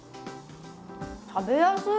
食べやすい！